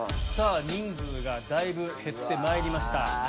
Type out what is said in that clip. さぁ人数がだいぶ減ってまいりました。